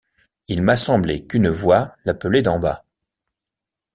Il m’a semblé qu’une voix l’appelait d’en bas.